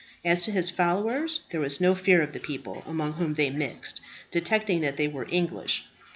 As to his followers, there was no fear of the people among whom they mixed detecting that they were English.